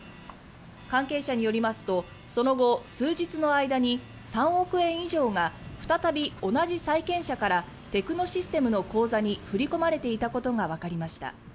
関係者によりますとその後、数日の間に３億円以上が再び同じ債権者からテクノシステムの口座に振り込まれていたことがわかりました。